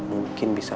terima kasih pak